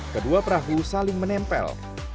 kedua perahu saling menempel